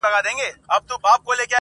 لېوه سمبول دنني وحشت ښيي ډېر,